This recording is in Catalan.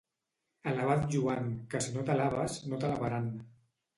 Alaba't Joan, que si no t'alabes, no t'alabaran.